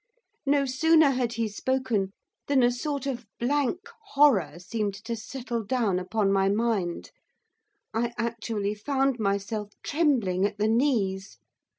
No sooner had he spoken than a sort of blank horror seemed to settle down upon my mind. I actually found myself trembling at the knees.